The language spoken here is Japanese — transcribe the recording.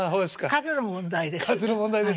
数の問題ですか。